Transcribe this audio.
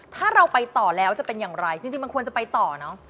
ถ้าเราไปต่อแล้วจะเป็นอย่างไรจริงมันควรจะไปต่อเนอะ